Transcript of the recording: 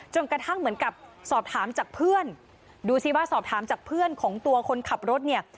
เหมือนกับสอบถามจากเพื่อนดูสิว่าสอบถามจากเพื่อนของตัวคนขับรถเนี่ย